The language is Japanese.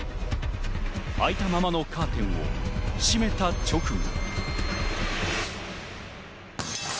開いたままのカーテンを閉めた直後。